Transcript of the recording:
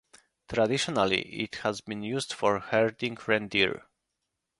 Traditionally it has been used for herding reindeer.